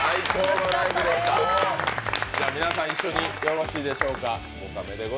皆さん、一緒によろしいでしょうか。